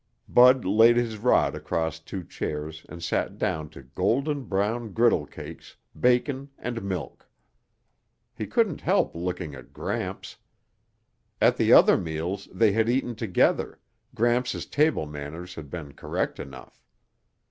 Bud laid his rod across two chairs and sat down to golden brown griddle cakes, bacon and milk. He couldn't help looking at Gramps. At the other meals they had eaten together, Gramps' table manners had been correct enough.